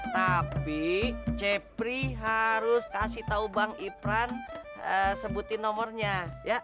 tapi cepri harus kasih tahu bang ipran sebutin nomornya